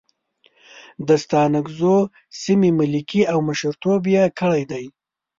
د ستانکزو سیمې ملکي او مشرتوب یې کړی دی.